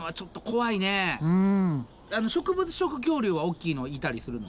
植物食恐竜は大きいのいたりするの？